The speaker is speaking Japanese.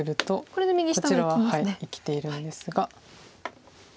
こちらは生きているんですが。